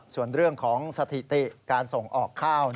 ส่วนเรื่องของสถิติการส่งออกข้าว